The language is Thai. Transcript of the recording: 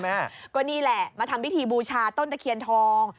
นี่แหละมาทำพิธีบูชาต้นตะเคียนทอง